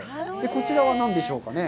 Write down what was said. こちらは何でしょうかね？